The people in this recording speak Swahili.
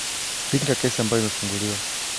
pinga kesi ambayo imefunguliwa